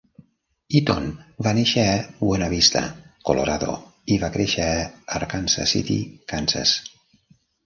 Eaton va néixer a Buena Vista, Colorado, i va créixer a Arkansas City, Kansas.